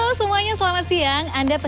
halo semuanya selamat siang anda